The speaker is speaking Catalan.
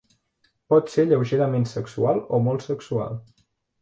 Pot ser lleugerament sexual o molt sexual.